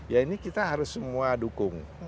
ya ini kita harus semua dukung